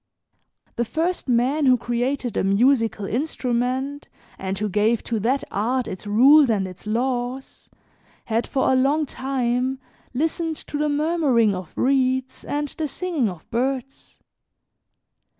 The first man who created a musical instrument and who gave to that art its rules and its laws, had for a long time listened to the murmuring of reeds and the singing of birds.